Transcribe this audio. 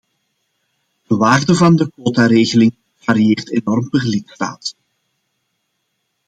De waarde van de quotaregeling varieert enorm per lidstaat.